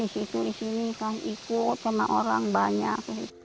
di situ di sini kan ikut sama orang banyak